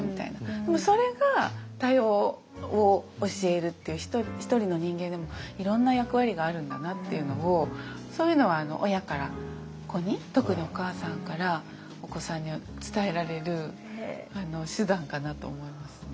でもそれが多様を教えるっていうひとりの人間でもいろんな役割があるんだなっていうのをそういうのは親から子に特にお母さんからお子さんに伝えられる手段かなと思いますね。